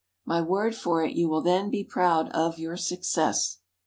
My word for it you will then be proud of your success."